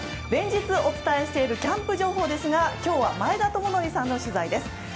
連日お伝えしているキャンプ情報ですが今日は前田智徳さんの取材です。